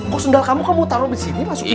kok sendal kamu kok mau taruh di sini pak sukri